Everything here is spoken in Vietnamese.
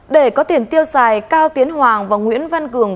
để có tiền tiêu xài cao tiến hoàng và nguyễn văn cường